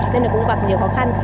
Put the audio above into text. nên nó cũng gặp nhiều khó khăn